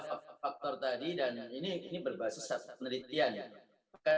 ada faktor tadi dan ini berbasis penelitian